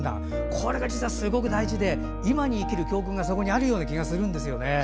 これが実はすごく大事で今に生きる教訓が、そこにあるような気がするんですよね。